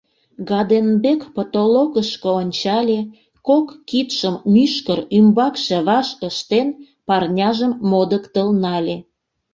Гаденбек потолокышко ончале, кок кидшым мӱшкыр ӱмбакше ваш ыштен, парняжым модыктыл нале.